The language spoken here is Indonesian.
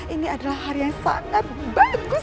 ini adalah hari yang sangat bagus